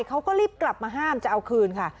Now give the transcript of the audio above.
เขาก็รีบกลับมาห้ามจะเอาคืนค่ะ